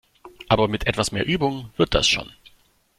Aber mit etwas mehr Übung wird das schon!